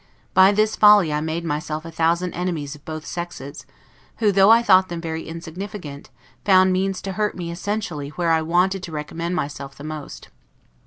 By this folly I made myself a thousand enemies of both sexes; who, though I thought them very insignificant, found means to hurt me essentially where I wanted to recommend myself the most.